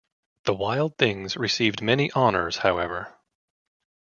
The Wild Things received many honors, however.